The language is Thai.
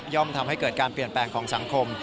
ทำให้เกิดการเปลี่ยนแปลงของสังคม